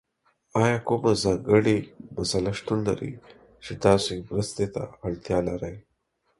ایا کومه ځانګړې مسله شتون لري چې تاسو یې مرستې ته اړتیا لرئ؟